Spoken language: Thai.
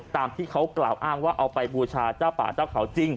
ตามที่เขากล่าวอ้างว่าเอาไปบูชาเจ้าป่าเจ้าเขาจริง